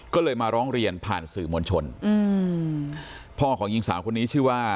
ก็เลยมาร้องเรียนผ่านสื่อมวลชนอืมพ่อของหญิงสาวคนนี้ชื่อว่า